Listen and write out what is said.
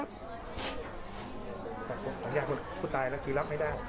พูดตายแล้วคือรับไม่ได้